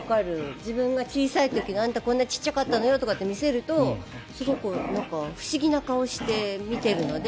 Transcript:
自分が小さい時あなた、こんなに小さかったのよとかって見せるとすごく不思議がった顔をして見ているので。